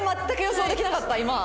全く予想できなかった今。